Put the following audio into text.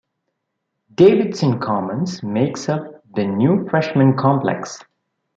Davidson Commons makes up the new freshman complex.